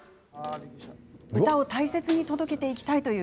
歌を大切に届けていきたいという